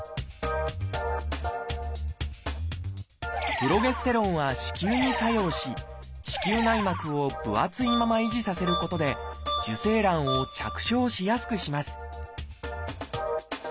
プロゲステロンは子宮に作用し子宮内膜を分厚いまま維持させることで受精卵を着床しやすくします